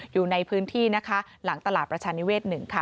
อยู่ในพื้นที่นะคะหลังตลาดประชานิเวศ๑ค่ะ